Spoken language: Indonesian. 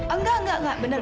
enggak enggak bener